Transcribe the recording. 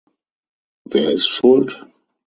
Wer ist schuld?